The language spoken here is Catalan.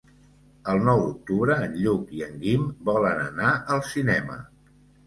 El nou d'octubre en Lluc i en Guim volen anar al cinema.